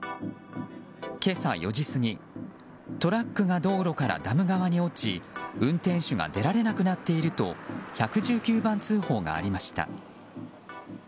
今朝４時過ぎ、トラックが道路からダム側に落ち運転手が出られなくなっていると１１９番通報がありました。